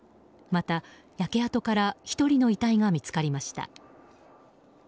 また、焼け跡から１人の遺体が見つかりました。